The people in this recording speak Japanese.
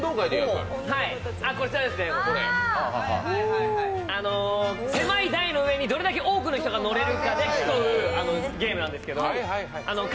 こちらですね、狭い台の上にどれだけ多くの人が乗れるかで競うゲームなんですけど。